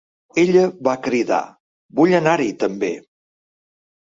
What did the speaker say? Ella va cridar; "Vull anar-hi també!"